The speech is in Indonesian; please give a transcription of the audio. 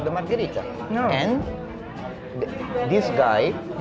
dan ini adalah pembunuhnya untuk memasak pembunuhan